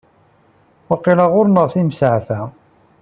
Waqil ɣur-neɣ timsiɛfa.